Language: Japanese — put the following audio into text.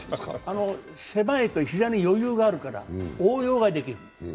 狭いと膝に余裕があるから応用ができる。